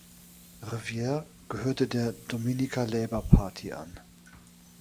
Riviere gehörte der Dominica Labour Party an.